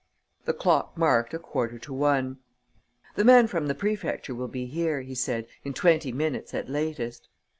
The clock marked a quarter to one. "The man from the prefecture will be here," he said, "in twenty minutes at latest."